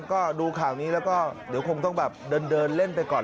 ก็ดูข่าวนี้แล้วก็เดี๋ยวคงต้องแบบเดินเล่นไปก่อน